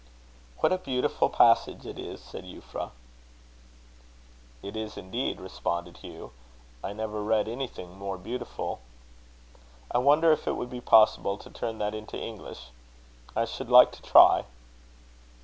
"What a beautiful passage it is!" said Euphra. "It is indeed," responded Hugh; "I never read anything more beautiful." "I wonder if it would be possible to turn that into English. I should like to try."